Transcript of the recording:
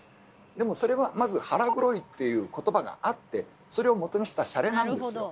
でもそれはまず「腹黒い」っていうことばがあってそれをもとにしたシャレなんですよ。